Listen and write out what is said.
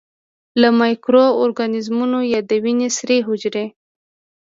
لکه مایکرو ارګانیزمونه یا د وینې سرې حجرې.